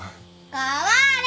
代われ！